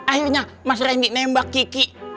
akhirnya mas randi nembak kiki